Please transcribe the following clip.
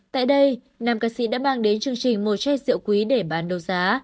tại đây nàm ca sĩ đã mang đến chương trình một chai rượu quý để bán đồ giá